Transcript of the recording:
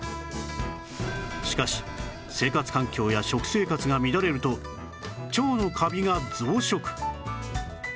しかし生活環境や食生活が乱れると腸のカビが増殖